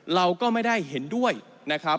เราก็ไม่ได้เห็นด้วยนะครับ